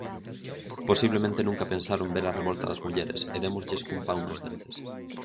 Posiblemente nunca pensaron ver a revolta das mulleres e démoslles cun pau nos dentes.